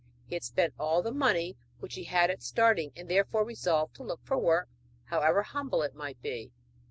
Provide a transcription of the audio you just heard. He had spent all the money which he had at starting, and therefore resolved to look for work however humble it might be.